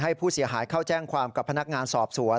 ให้ผู้เสียหายเข้าแจ้งความกับพนักงานสอบสวน